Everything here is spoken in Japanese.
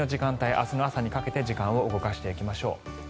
明日の朝にかけて時間を動かしていきましょう。